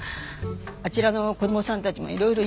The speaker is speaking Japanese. あちらの子供さんたちもいろいろ言うしね。